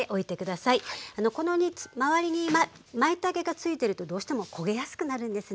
周りにまいたけがついてるとどうしても焦げやすくなるんですね。